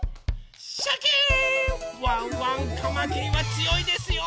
ワンワンかまきりはつよいですよ！